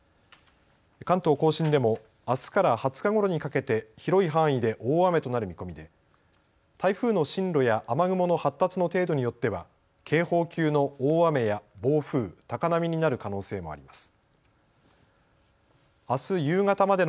関東甲信でもあすから２０日ごろにかけて広い範囲で大雨となる見込みで台風の進路や雨雲の発達の程度によっては警報級の大雨や暴風、高波になる可能性もあります。